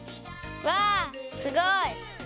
わあすごい！